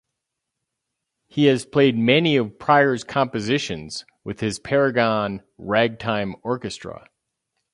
He has played many of Pryor's compositions with his Paragon Ragtime Orchestra.